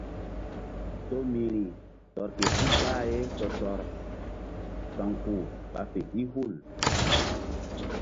Somiri tɔr ke puh bah ye tɔ-tɔrsa̧wkpuh ɓa fe i hul.